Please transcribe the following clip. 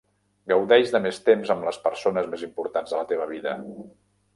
Gaudeix de més temps amb les persones més importants de la teva vida.